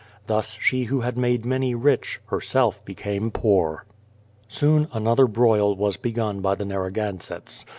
Thus she who had made many rich, herself became poor. Soon another broil was begun by the Narragansetts.